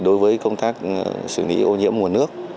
đối với công tác xử lý ô nhiễm nguồn nước